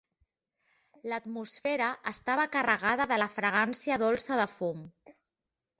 L'atmosfera estava carregada de la fragància dolça de fum.